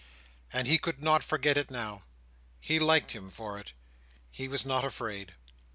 And he could not forget it, now. He liked him for it. He was not afraid.